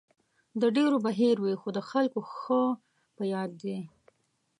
د ډېرو به هېر وي، خو د هغو خلکو ښه په یاد دی.